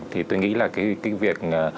thì tôi nghĩ là cái việc